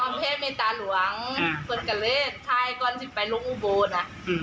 จำเพศไม่ตาหล่วงเป็นกะเร็จใช่กันชินไปลงอุบูน่ะ